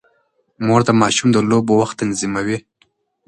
مور د ماشوم د لوبو وخت تنظيموي.